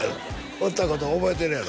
放ったこと覚えてるやろ？